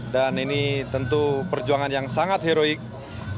dan ini tentu perjuangan yang sangat heroiknya